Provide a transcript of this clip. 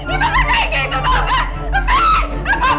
ibu kan kayak gitu tau gak